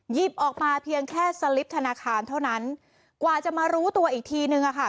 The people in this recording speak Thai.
หยิบออกมาเพียงแค่สลิปธนาคารเท่านั้นกว่าจะมารู้ตัวอีกทีนึงอะค่ะ